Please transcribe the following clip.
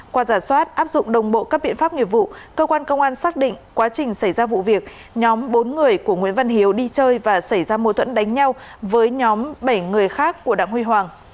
qua giả soát áp dụng đồng bộ các biện pháp nghiệp vụ cơ quan công an xác định quá trình xảy ra vụ việc nhóm bốn người của nguyễn văn hiếu đi chơi và xảy ra mô thuẫn đánh nhau với nhóm bảy người khác của đặng huy hoàng